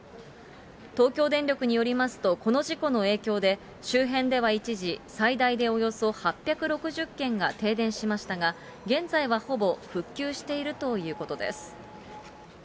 東京電力によりますと、この事故の影響で、周辺では一時、最大でおよそ８６０軒が停電しましたが、現在はほぼ復旧しているということです。